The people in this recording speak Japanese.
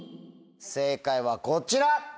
正解はこちら！